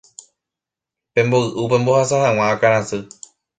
pemboy'u pembohasa hag̃ua akãrasy